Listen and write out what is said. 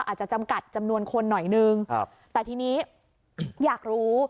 อาจจะจำกัดจำนวนคนหน่อยนึงแต่ทีนี้อยากรู้